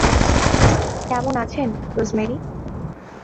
কেমন আছেন, রোজমেরি?